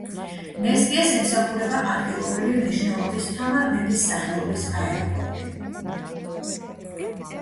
მესტიას ემსახურება ადგილობრივი მნიშვნელობის თამარ მეფის სახელობის აეროპორტი.